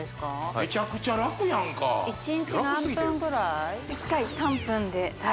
めちゃくちゃ楽やんか１日何分ぐらい？